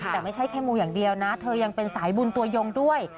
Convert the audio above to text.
แต่ไม่ใช่แค่มูอย่างเดียวนะเธอยังเป็นสายบุญตัวยงด้วย